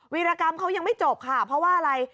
วิรกรรมเขายังไม่จบค่ะเพราะว่าอะไร